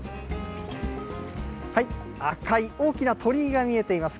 赤い大きな鳥居が見えています。